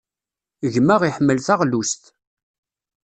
Gma iḥemmel taɣlust.